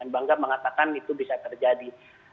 bangga mengatakan itu bisa terjadi